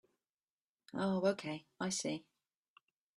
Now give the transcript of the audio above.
Oh okay, I see.